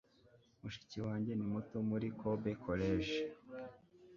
Mushiki wanjye ni muto muri Kobe College.